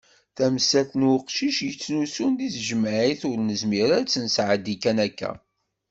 Tamsalt n uqcic yettnusun deg tejmaɛt ur nezmir ara ad tt-nesɛeddi kan akka.